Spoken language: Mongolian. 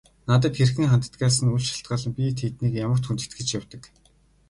Надад хэрхэн ханддагаас нь үл шалтгаалан би тэднийг ямагт хүндэтгэж явдаг.